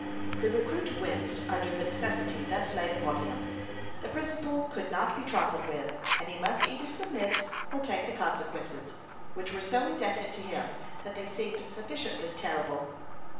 The recruit winced under the necessity thus laid upon him. The principal could not be trifled with, and he must either submit, or take the consequences, which were so indefinite to him that they seemed sufficiently terrible.